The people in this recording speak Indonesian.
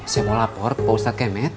saya mau lapor ke ustadz kemet